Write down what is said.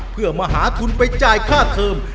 เพื่อมาหาทุนไปจ่ายค่าเทิม